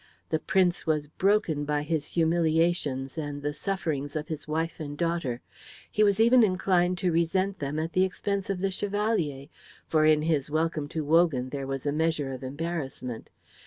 The Prince was broken by his humiliation and the sufferings of his wife and daughter. He was even inclined to resent them at the expense of the Chevalier, for in his welcome to Wogan there was a measure of embarrassment.